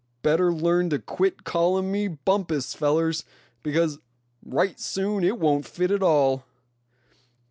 Better learn to quit callin' me Bumpus, fellers, because right soon it won't fit at all."